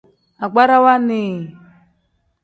Agbarawa nni.